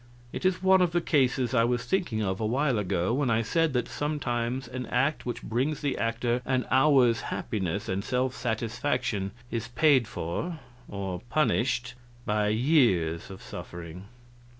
It is one of the cases I was thinking of awhile ago when I said that sometimes an act which brings the actor an hour's happiness and self satisfaction is paid for or punished by years of suffering."